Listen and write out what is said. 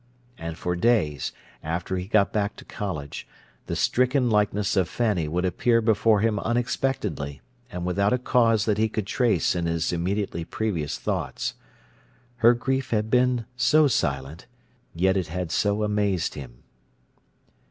And for days, after he got back to college, the stricken likeness of Fanny would appear before him unexpectedly, and without a cause that he could trace in his immediately previous thoughts. Her grief had been so silent, yet it had so amazed him.